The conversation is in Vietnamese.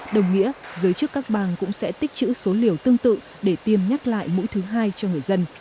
đồng nghĩa giới chức các bang cũng sẽ tích chữ số liều tương tự để tiêm nhắc lại mũi thứ hai cho người dân